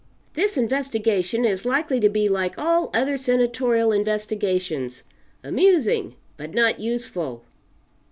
This investigation is likely to be like all other Senatorial investigations amusing but not useful.